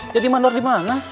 jadi mandor dimana